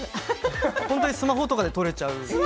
本当にスマホとかでも撮れちゃうんです。